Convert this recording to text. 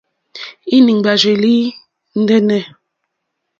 Íŋ!ɡbárzèlì ndɛ́nɛ̀.